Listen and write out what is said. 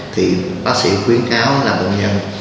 thì bác sĩ khuyến kháo là bệnh nhân